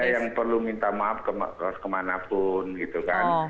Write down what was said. nggak ada yang perlu minta maaf kemana pun gitu kan